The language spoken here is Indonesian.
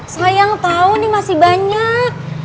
sayang tahu nih masih banyak